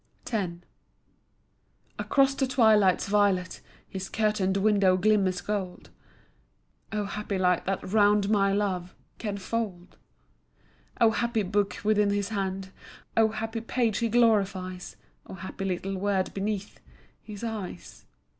X Across the twilight's violet His curtained window glimmers gold; Oh happy light that round my love Can fold. Oh happy book within his hand, Oh happy page he glorifies, Oh happy little word beneath His eyes.